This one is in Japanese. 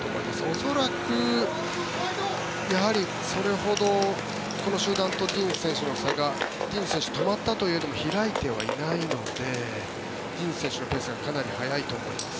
恐らく、それほどこの集団とディニズ選手の差がディニズ選手が止まったといえども開いてはいないのでディニズ選手のペースが速いと思います。